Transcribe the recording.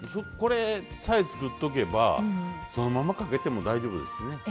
これさえ作っとけばそのままかけても大丈夫ですしね。